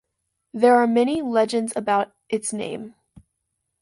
There are many legends about its name.